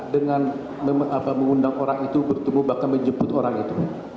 dengan mengundang orang itu bertemu bahkan menjemput orang itu